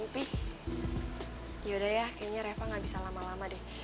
yaudah ya kayaknya reva gak bisa lama lama deh